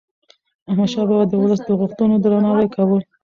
احمدشاه بابا د ولس د غوښتنو درناوی کاوه.